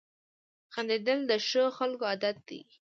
• خندېدل د ښو خلکو عادت دی.